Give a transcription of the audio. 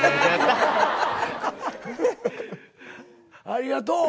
ありがとう。